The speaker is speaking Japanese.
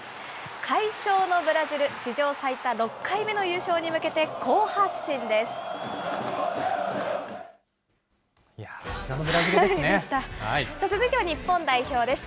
快勝のブラジル、史上最多６回目の優勝に向けて、好発進です。